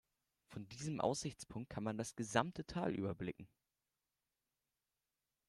Von diesem Aussichtspunkt kann man das gesamte Tal überblicken.